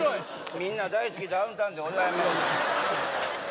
みんな大好きダウンタウンでございます